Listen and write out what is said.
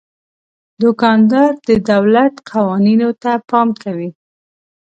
دوکاندار د دولت قوانینو ته پام کوي.